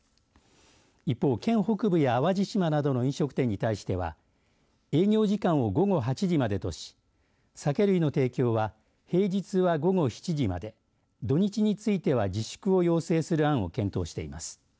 一方、県北部や淡路島などの飲食店に対しては営業時間を午後８時までとし酒類の提供は平日は午後７時まで土日については自粛を要請する案を検討しています。